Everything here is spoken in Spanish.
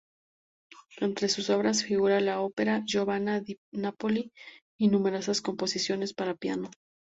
Entre sus obras figura la ópera "Giovanna di Napoli" y numerosas composiciones para piano.